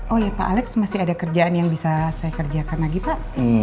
oh ya pak alex masih ada kerjaan yang bisa saya kerjakan lagi pak